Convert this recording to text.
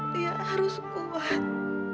liat harus kuat